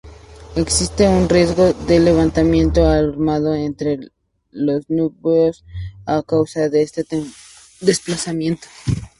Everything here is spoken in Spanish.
Existe un riesgo de levantamiento armado entre los nubios a causa de estos desplazamientos.